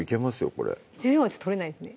これ１４はとれないですね